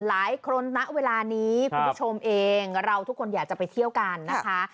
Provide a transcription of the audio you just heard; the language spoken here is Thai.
ณเวลานี้คุณผู้ชมเองเราทุกคนอยากจะไปเที่ยวกันนะคะ